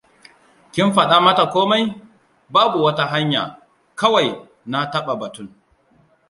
"Kin faɗa mata komai? ""Babu wata hanya, kawai na taɓa batun."""